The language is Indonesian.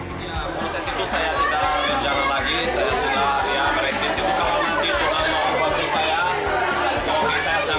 saya sangat senang karena saya memang suka cinta indonesia disini saya memang mau tinggal di indonesia disini